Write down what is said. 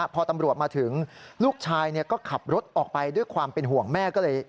พอตำรวจมาถึงลูกชายก็ขับรถออกไปด้วยความเป็นห่วงแม่ก็เลย